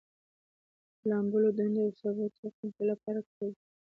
د لامبلو ډنډونو او سابو تعقیم کولو لپاره کارول کیږي.